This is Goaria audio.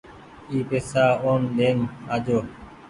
اي پئيسا اون ۮين آجو ۔